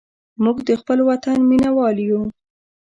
موږ د خپل وطن مینهوال یو.